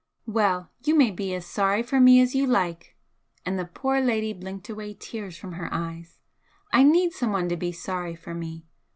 "Well, you may be as sorry for me as you like" and the poor lady blinked away tears from her eyes "I need someone to be sorry for me!